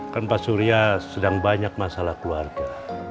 kan pak surya sedang banyak masalah keluarga